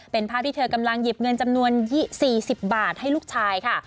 เป็นภาพที่เธอกำลังหยิบเงินจำนวน๔๐บาทให้ลูกชายค่ะ